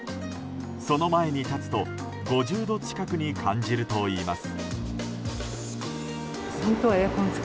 その前に立つと５０度近くに感じるといいます。